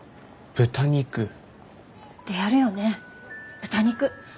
であるよね豚肉。